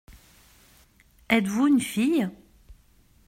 Êtes-vous une fille ?